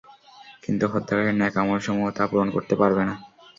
কিন্তু হত্যাকারীর নেক আমলসমূহ তা পূরণ করতে পারবে না।